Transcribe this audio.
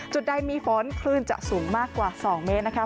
จุดใดมีฝนคลื่นจะสูงมากกว่า๒เมตรนะคะ